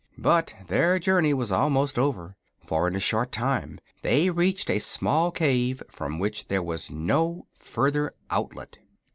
But their journey was almost over, for in a short time they reached a small cave from which there was no further outlet.